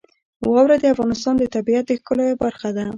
واوره د افغانستان د طبیعت د ښکلا یوه برخه ده.